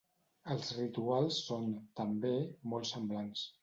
Els rituals són, també, molt semblants.